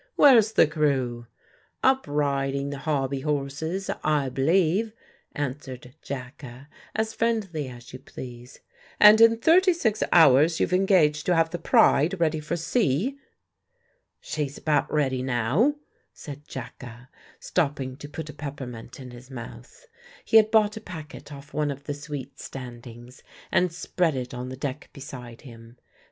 "Where's the crew?" "Up riding the hobby horses, I b'lieve," answered Jacka, as friendly as you please. "And in thirty six hours you've engaged to have the Pride ready for sea!" "She's about ready now," said Jacka, stopping to put a peppermint in his mouth. He had bought a packet off one of the sweet standings, and spread it on the deck beside him.